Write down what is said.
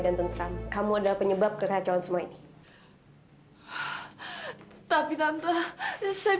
tapi tante dia bukan siapa siapa saya tante